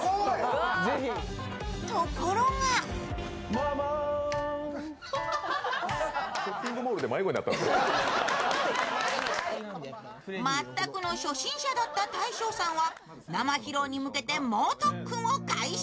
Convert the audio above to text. ママ全くの初心者だった大昇さんは生披露に向けて、猛特訓を開始。